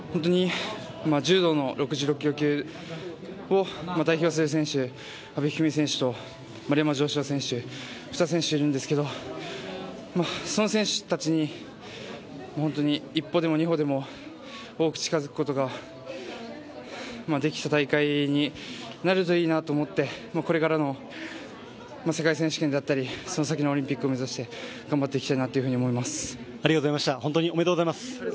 柔道の６６キロ級を代表する選手、阿部一二三選手と丸山城志郎選手、２選手いるんですけどその選手たちに一歩でも二歩でも多く近づくことができた大会になるといいなと思ってこれからの世界選手権だったり、その先のオリンピックを目指して待ってました！